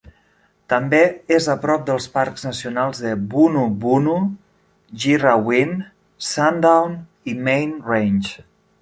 També és a prop dels parcs nacionals de Boonoo Boonoo, Girraween, Sundown i Main Range.